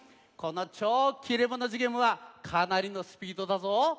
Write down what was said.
この「超切れ者寿限無」はかなりのスピードだぞ。